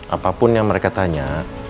apapun yang mereka tanya